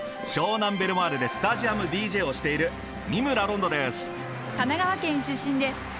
湘南ベルマーレでスタジアムＤＪをしている三村ロンドです。